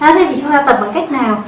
thế thì chúng ta tập bằng cách nào